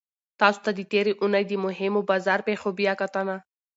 تاسو ته د تیرې اونۍ د مهمو بازار پیښو بیاکتنه